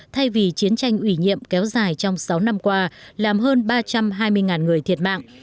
thay vì chiến tranh ủy nhiệm kéo dài trong sáu năm qua làm hơn ba trăm hai mươi người thiệt mạng